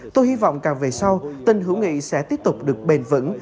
tôi hy vọng càng về sau tình hữu nghị sẽ tiếp tục được bền vững